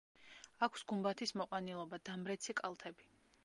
აქვს გუმბათის მოყვანილობა, დამრეცი კალთები.